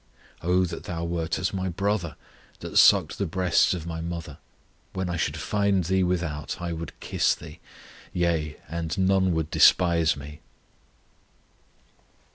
Oh that Thou wert as my brother, That sucked the breasts of my mother! When I should find Thee without, I would kiss Thee; Yea, and none would despise me.